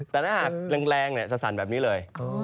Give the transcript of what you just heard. แต่ถ้าหากแรงจะสั่นแบบนี้เลย